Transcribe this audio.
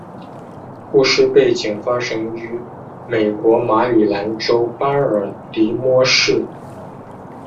故事背景发生于美国马里兰州巴尔的摩市。